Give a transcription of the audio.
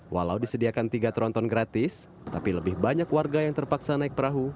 walau disediakan tiga tronton gratis tapi lebih banyak warga yang terpaksa naik perahu